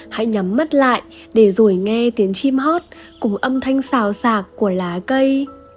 hãy nhắm mắt lại để rồi nghe tiếng chim hót cùng âm thanh xào sạc của lá cây